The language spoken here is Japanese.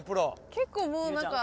結構もうなんか。